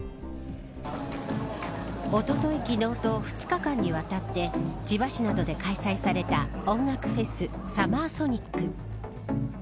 おととい、昨日と２日間にわたって千葉市などで開催された音楽フェスサマーソニック。